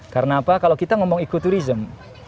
karena apa kalau kita ngomong ekoturisme